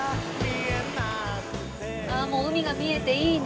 ああもう海が見えていいね。